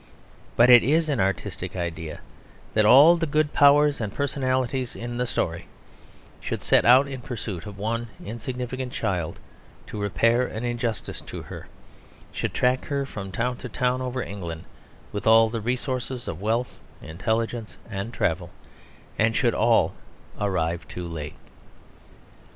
But it is an artistic idea that all the good powers and personalities in the story should set out in pursuit of one insignificant child, to repair an injustice to her, should track her from town to town over England with all the resources of wealth, intelligence, and travel, and should all arrive too late.